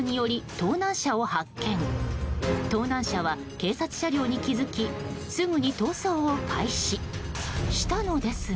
盗難車は警察車両に気づきすぐに逃走を開始したのですが。